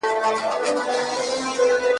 هره ورځ به یې تازه وه مجلسونه .